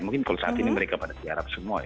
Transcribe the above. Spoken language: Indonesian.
mungkin kalau saat ini mereka pada siarap semua